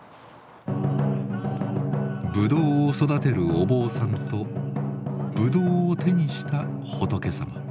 ぶどうを育てるお坊さんとぶどうを手にした仏様。